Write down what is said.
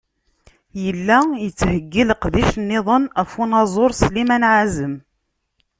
Yella yettheggi leqdic-nniḍen ɣef unaẓur Sliman Ɛazem.